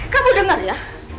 kamu denger ya